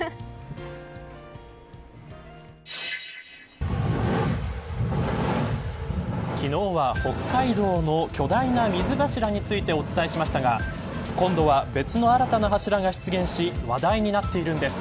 優しいおじいちゃんだなと暖かい目で昨日は、北海道の巨大な水柱についてお伝えしましたが今度は別の新たな柱が出現し話題になっているんです。